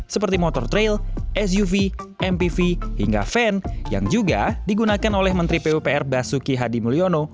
seperti motor trail suv mpv hingga van yang juga digunakan oleh menteri pupr basuki hadi mulyono